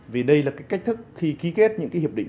vì đây là cách thức khi ký kết những hiệp định